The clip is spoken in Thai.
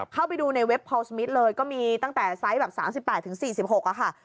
เข้าไปดูในเว็บพอลสมิทเลยก็มีตั้งแต่ไซส์แบบ๓๘๔๖ค่ะ